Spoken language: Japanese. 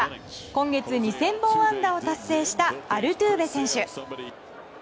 今月２０００本安打を達成したアルテューベ選手。